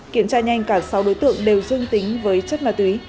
kiểm tra nhanh cả sáu đối tượng đều dương tính với chất ma túy